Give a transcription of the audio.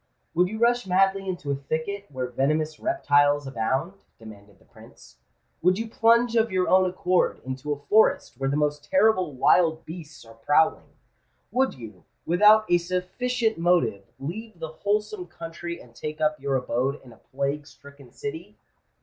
"Would you rush madly into a thicket where venomous reptiles abound?" demanded the Prince: "would you plunge of your own accord into a forest where the most terrible wild beasts are prowling? would you, without a sufficient motive, leave the wholesome country and take up your abode in a plague stricken city?